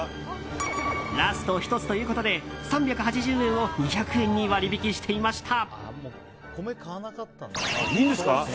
ラスト１つということで３８０円を２００円に割引していました。